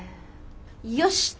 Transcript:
よしと。